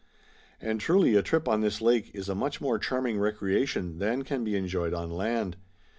And truly a trip on this lake is a much more charming recreation than can be enjoyed on land.